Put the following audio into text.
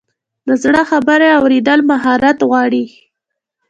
د زړه خبرې اورېدل مهارت غواړي.